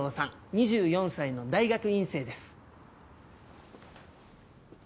２４歳の大学院生です。